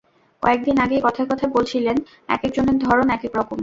কয়েক দিন আগেই কথায় কথায় বলছিলেন, একেক জনের ধরন একেক রকম।